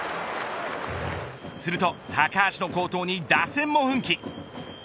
すると高橋の好投に打線も奮起。